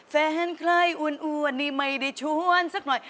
แฟนใครอ้วนนี่ไม่ได้ชวนสักหน่อย